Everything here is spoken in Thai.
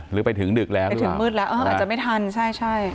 หรือไปถึงดึกแล้วหรือเปล่าไปถึงมืดแล้วอาจจะไม่ทันใช่